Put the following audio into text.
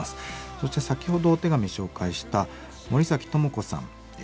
そして先ほどお手紙紹介したハナサキトモコさん。